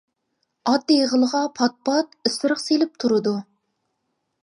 ئات ئېغىلىغا پات-پات ئىسرىق سېلىپ تۇرىدۇ.